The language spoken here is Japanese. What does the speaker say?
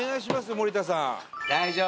盛田さん